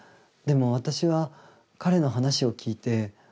でも私は彼の話を聞いて。